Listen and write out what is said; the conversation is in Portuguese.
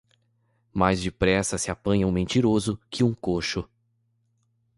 Mais depressa se apanha um mentiroso que um coxo.